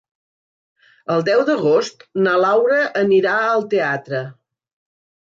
El deu d'agost na Laura anirà al teatre.